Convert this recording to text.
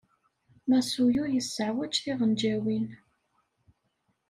Masuo yesseɛwaǧ tiɣenǧawin.